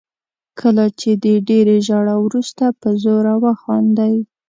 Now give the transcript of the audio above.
کله چې د ډېرې ژړا وروسته په زوره وخاندئ.